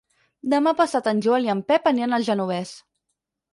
Demà passat en Joel i en Pep aniran al Genovés.